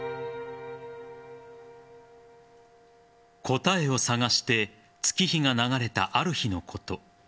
答えを探して月日が流れたある日のこと。